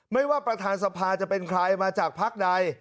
ไม่ว่าประธานสภาจะเป็นใครมาจากพักใด